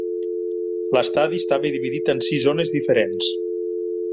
L'estadi estava dividit en sis zones diferents.